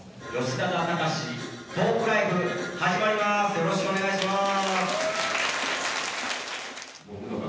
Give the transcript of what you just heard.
よろしくお願いします。